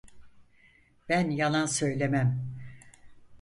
Ben yalan söylemem.